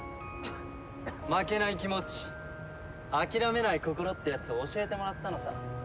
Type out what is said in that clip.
負けない気持ち諦めない心ってやつを教えてもらったのさ。